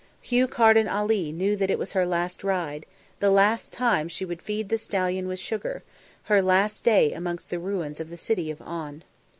Hugh Carden Ali knew that it was her last ride; the last time she would feed the stallion with sugar; her last day amongst the ruins of the City of On.